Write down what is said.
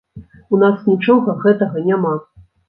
У нас нічога гэтага няма!